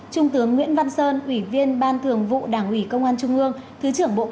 thứ trưởng bộ công an chủ trì hội nghị